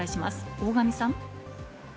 大神さん。